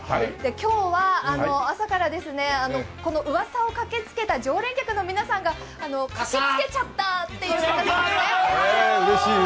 今日は朝からうわさをかけつけた常連客の皆さんが駆けつけちゃったという。